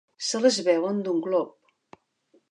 Se les beuen d'un glop.